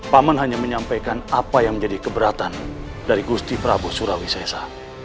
pak jajaran hanya menyampaikan apa yang menjadi keberatan dari gusti prabu suryawisesa